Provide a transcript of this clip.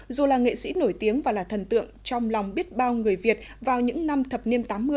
dù là nghệ sĩ nổi tiếng và là thần tượng trong lòng biết bao người việt vào những năm thập niên tám mươi